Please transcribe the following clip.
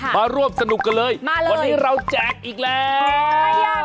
มาร่วมสนุกกันเลยวันนี้เราแจกอีกแล้วมาเลย